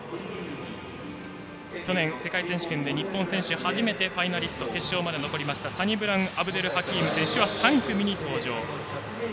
去年、世界選手権で日本選手初めてファイナリスト、決勝まで残ったサニブラウン・アブデルハキーム選手は３組に登場。